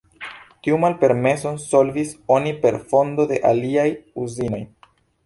Tiun malpermeson solvis oni per fondo de aliaj uzinoj.